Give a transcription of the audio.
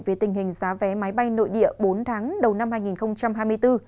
về tình hình giá vé máy bay nội địa bốn tháng đầu năm hai nghìn hai mươi bốn